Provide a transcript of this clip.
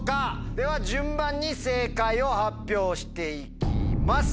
では順番に正解を発表して行きます。